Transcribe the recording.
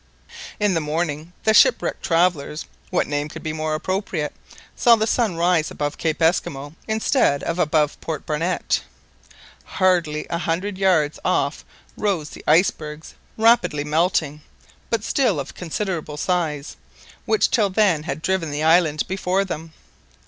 In the morning the shipwrecked travellers—what name could be more appropriate?—saw the sun rise above Cape Esquimaux instead of above Port Barnett. Hardly a hundred yards off rose the icebergs, rapidly melting, but still of a considerable size, which till then had driven the island before them.